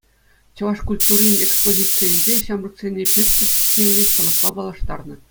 Чӑваш культурин экспозицийӗнче ҫамрӑксене пир тӗртмелли станокпа паллаштарнӑ.